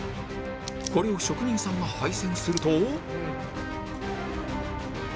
これを職人さんが配線すると